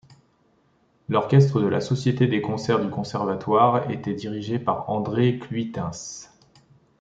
L'Orchestre de la Société des concerts du Conservatoire était dirigé par André Cluytens.